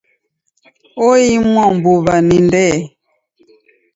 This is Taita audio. Oimwa mbuw'a ni Ndee.